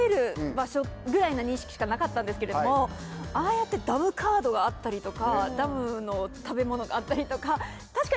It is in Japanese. しかなかったんですけれどもああやってダムカードがあったりとかダムの食べ物があったりとか確かに。